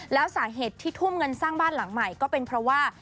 แล้วสาเหตุที่ทุ่มเงินสร้างบ้านหลังใหม่ก็เป็นเพราะว่า